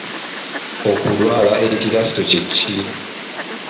Okulwala ekiraso kye ki?